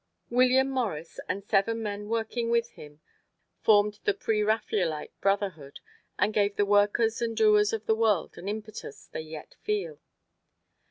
William Morris and seven men working with him formed the Preraphaelite Brotherhood and gave the workers and doers of the world an impetus they yet feel.